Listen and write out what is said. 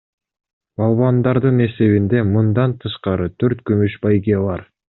Балбандардын эсебинде мындан тышкары төрт күмүш байге бар.